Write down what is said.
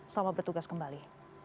selamat bertugas kembali